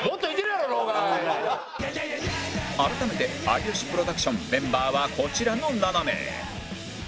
改めて有吉プロダクションメンバーはこちらの７名